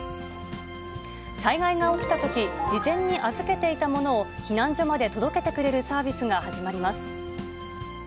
災害が起きたとき、事前に預けていたものを避難所まで届けてくれるサービスが始まります。